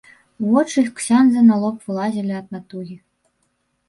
Вочы ксяндза на лоб вылазілі ад натугі.